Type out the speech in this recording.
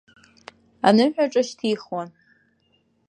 Аныҳәаҿа шьҭихуан.